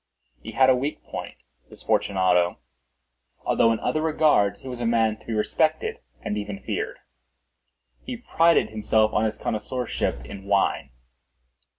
He had a weak point—this Fortunato—although in other regards he was a man to be respected and even feared. He prided himself on his connoisseurship in wine.